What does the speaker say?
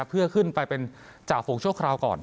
เพื่อขึ้นไปเป็นจ่าฝูงชั่วคราวก่อน